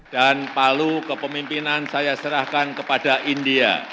palu kepemimpinan saya serahkan kepada india